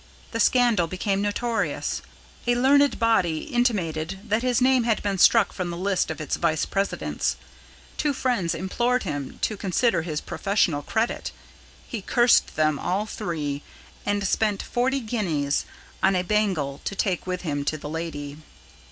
The scandal became notorious. A learned body intimated that his name had been struck from the list of its vice presidents. Two friends implored him to consider his professional credit. He cursed them all three, and spent forty guineas on a bangle to take with him to the lady.